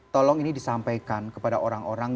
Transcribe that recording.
tolong ini disampaikan kepada orang orang